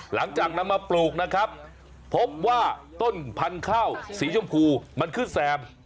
หลังจากนำมาปลูกนะครับพบว่าต้นพันธุ์ข้าวสีชมพูมันขึ้นแซม